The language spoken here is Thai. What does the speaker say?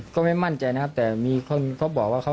ครับ